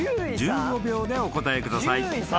１５秒でお答えください］